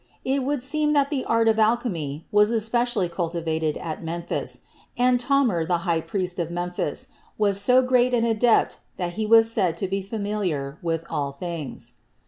It would seem that the art of alchemy was espe cially cultivated at Memphis, and Ptah mer, the high priest of Memphis, was so great an adept that he was said to be familiar with all things.